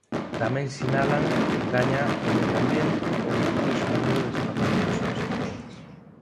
Tamén, sinalan, gaña o medio ambiente, ao reducirse o número de desprazamentos ás oficinas.